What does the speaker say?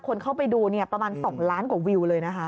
คนเข้าไปดูประมาณ๒ล้านกว่าวิวเลยนะคะ